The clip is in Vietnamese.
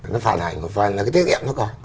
nó phản hành một phần là cái tiết kiệm nó còn